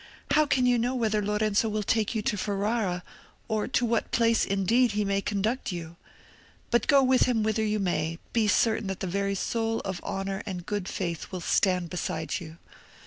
How can you know whether Lorenzo will take you to Ferrara, or to what place indeed he may conduct you? But go with him whither you may, be certain that the very soul of honour and good faith will stand beside you.